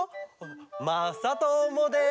まさともです！